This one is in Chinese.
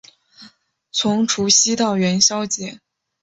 从除夕到元宵节